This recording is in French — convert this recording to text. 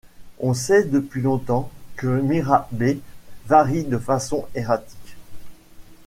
On sait depuis longtemps que Mira B varie de façon erratique.